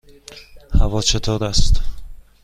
هوا چطور است؟